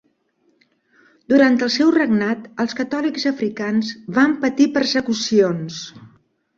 Durant el seu regnat els catòlics africans van patir persecucions.